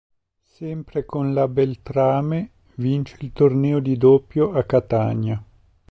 Sempre con la Beltrame, vince il torneo di doppio a Catania.